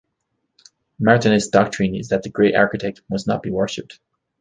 Martinist doctrine is that the Great Architect must not be worshipped.